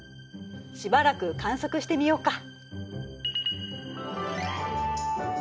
しばらく観測してみようか。